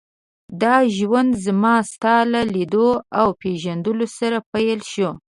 دا ژوند زما ستا له لیدو او پېژندلو سره پیل شو.